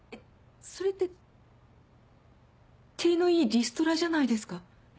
それって体のいいリストラじゃないですか。